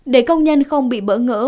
để công nhân không bị bỡ ngỡ